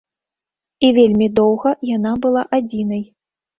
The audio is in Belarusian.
І вельмі доўга яна была адзінай.